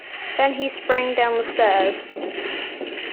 Then he sprang down the stairs.